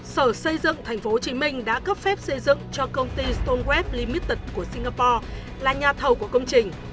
sở xây dựng tp hcm đã cấp phép xây dựng cho công ty stomweflimited của singapore là nhà thầu của công trình